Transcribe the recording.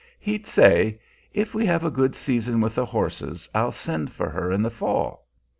He'd say, 'If we have a good season with the horses, I'll send for her in the fall.'